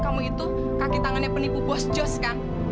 kamu itu kaki tangannya penipu bos jos kan